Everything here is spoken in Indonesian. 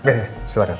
ya ya silahkan